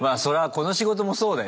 この仕事もそうだよね。